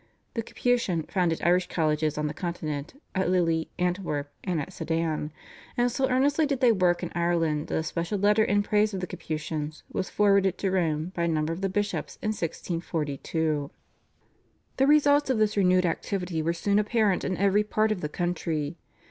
The Capuchin founded Irish colleges on the Continent, at Lille, Antwerp, and at Sedan, and so earnestly did they work in Ireland that a special letter in praise of the Capuchins was forwarded to Rome by a number of the Bishops in 1642. The results of this renewed activity were soon apparent in every part of the country.